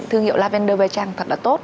thương hiệu lavender by trang thật là tốt